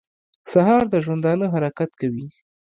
سهار د ژوندانه حرکت کوي.